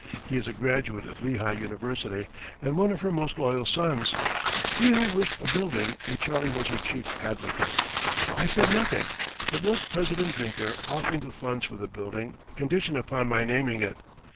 He is a graduate of Lehigh University and one of her most loyal sons. Lehigh wished a building and Charlie was her chief advocate. I said nothing, but wrote President Drinker offering the funds for the building conditioned upon my naming it.